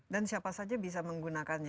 dan siapa saja bisa menggunakannya